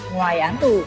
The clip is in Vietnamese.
ngoài án tù